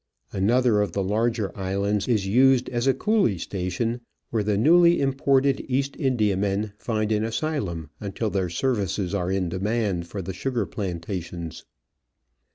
Another of the larger islands is used as a coolie station, where the newly imported East Indiamen find an asylum until their services are in demand for the sugar plantations.